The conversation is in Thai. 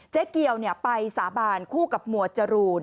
เจ๊เกียวไปสาบานคู่กับหมวดจรูน